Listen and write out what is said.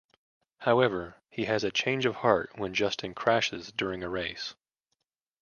However, he has a change of heart when Justin crashes during a race.